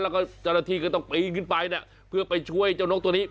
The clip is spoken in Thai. แล้วก็ตลอดทีก็ต้องไปขึ้นไปเพื่อไปช่วยเจ้านกตัวนี้